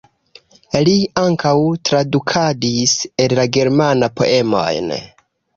Li ankaŭ tradukadis el la germana poemojn.